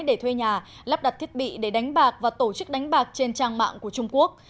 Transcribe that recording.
để thuê nhà lắp đặt thiết bị để đánh bạc và tổ chức đánh bạc trên trang mạng của trung quốc